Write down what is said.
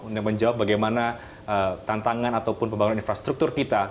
untuk menjawab bagaimana tantangan ataupun pembangunan infrastruktur kita